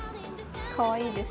かわいいです。